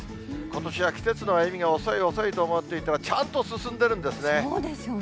ことしは季節の歩みが遅い、遅いと思っていたら、ちゃんと進そうですよね。